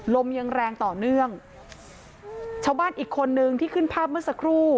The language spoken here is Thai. ลมยังแรงต่อเนื่องชาวบ้านอีกคนนึงที่ขึ้นภาพเมื่อสักครู่